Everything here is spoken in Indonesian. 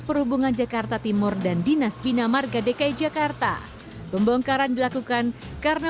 perhubungan jakarta timur dan dinas pinamar gadekay jakarta pembongkaran dilakukan karena